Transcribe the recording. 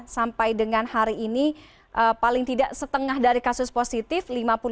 sampai dengan hari ini paling tidak setengah dari kasus positif lima puluh delapan satu ratus tujuh puluh tiga